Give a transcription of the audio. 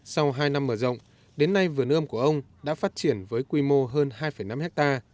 sau hai năm mở rộng đến nay vườn ươm của ông đã phát triển với quy mô hơn hai năm hectare